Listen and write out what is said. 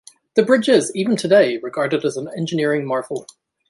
The bridge is, even today, regarded as an engineering marvel.